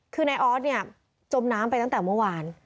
คือในออสจมน้ำไปตั้งแต่เมื่อวาน